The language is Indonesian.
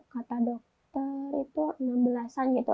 kata dokter itu enam belas an gitu